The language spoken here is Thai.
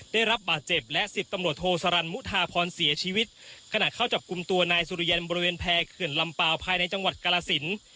ได้รับบาดเจ็บและสิบตำรวจโทสรรมุทาพรเสียชีวิตขณะเข้าจับกลุ่มตัวนายสุริยันบริเวณแพรเขื่อนลำเปล่าภายในจังหวัดกรสิน